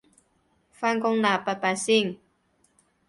返工喇拜拜先